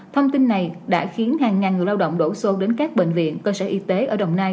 thông tin này đã khiến hàng ngàn người lao động đổ xô đến các bệnh viện cơ sở y tế ở đồng nai